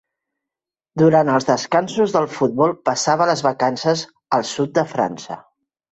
Durant els descansos del futbol passava les vacances al sud de França.